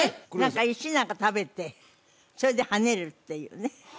何か石なんか食べてそれで跳ねるっていうね